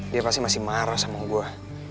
dia pasti masih marah sama gue